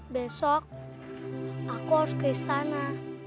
besok aku harus ke istana